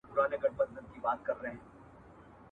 ولسمشر اقتصادي بندیزونه نه مني.